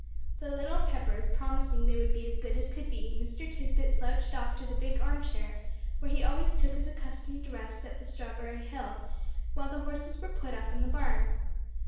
The little Peppers promising they would be as good as could be, Mr. Tisbett slouched off to the big arm chair, where he always took his accustomed rest at Strawberry Hill while the horses were put up in the barn.